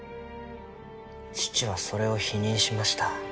父はそれを否認しました。